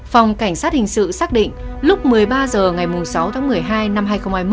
phòng cảnh sát hình sự xác định lúc một mươi ba h ngày sáu tháng một mươi hai năm hai nghìn hai mươi một